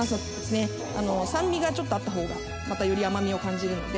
酸味がちょっとあったほうがより甘みを感じるので。